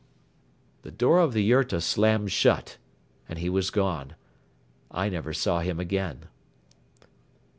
..." The door of the yurta slammed shut and he was gone. I never saw him again.